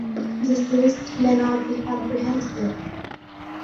This list may not be comprehensive.